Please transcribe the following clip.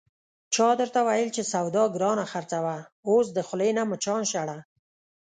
چا درته ویل چې سودا گرانه خرڅوه، اوس د خولې نه مچان شړه...